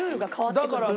だからね